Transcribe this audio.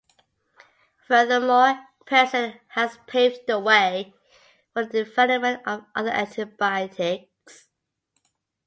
Furthermore, penicillin has paved the way for the development of other antibiotics.